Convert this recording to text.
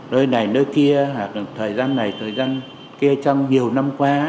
đôi này đôi kia thời gian này thời gian kia trong nhiều năm qua